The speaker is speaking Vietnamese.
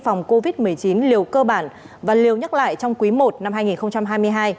phòng covid một mươi chín liều cơ bản và liều nhắc lại trong quý i năm hai nghìn hai mươi hai